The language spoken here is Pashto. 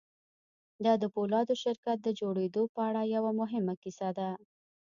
دا د پولادو شرکت د جوړېدو په اړه یوه مهمه کیسه ده